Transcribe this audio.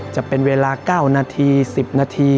จะเป็นเวลา๙นาที๑๐นาที